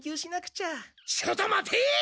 ちょっと待て！